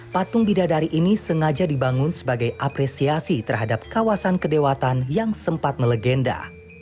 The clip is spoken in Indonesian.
patung bidadari ini sengaja dibangun sebagai apresiasi terhadap kawasan kedewatan yang sempat melegenda